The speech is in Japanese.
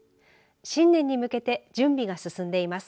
新年に向けて準備が進んでいます。